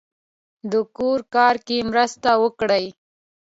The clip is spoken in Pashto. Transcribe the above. د کور کار کې مرسته وکړئ